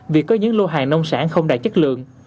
vì có những lô hàng nông sản không đạt chất lượng